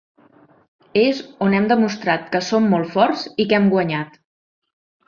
És on hem demostrat que som molt forts i que hem guanyat.